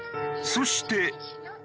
そして。